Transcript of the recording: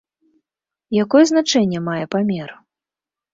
Якое значэнне мае памер?